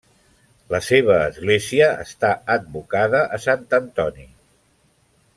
La seva església està advocada a Sant Antoni.